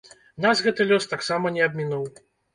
Нас гэты лёс таксама не абмінуў.